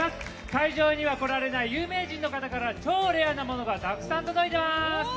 会場には来られない、有名人の方から超レアなものがたくさん届いてます。